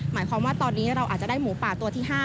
หมายความว่าตอนนี้เราอาจจะได้หมูป่าตัวที่๕